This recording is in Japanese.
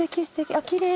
あっきれい！